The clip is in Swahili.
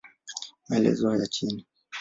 Maelezo ya chini